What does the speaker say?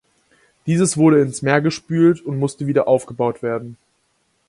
Dieses wurde ins Meer gespült und musste wieder aufgebaut werden.